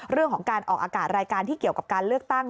เรื่องของการออกอากาศรายการที่เกี่ยวกับการเลือกตั้ง